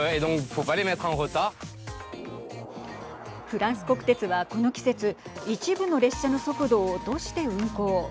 フランス国鉄は、この季節一部の列車の速度を落として運行。